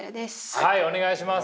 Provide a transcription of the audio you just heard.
はいお願いします。